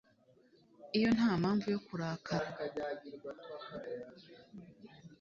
iyo nta mpamvu yo kurakara